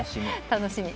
楽しみ。